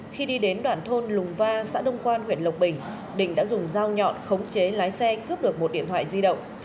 khi đi đến đoạn thôn lùng va xã đông quan huyện lộc bình định đã dùng dao nhọn khống chế lái xe cướp được một điện thoại di động